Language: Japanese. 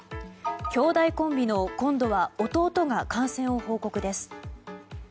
兄弟コンビの今度は弟が感染を報告です。